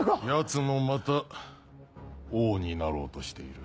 奴もまた王になろうとしている。